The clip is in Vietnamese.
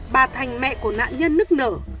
bà thành mẹ của nạn nhân nức nở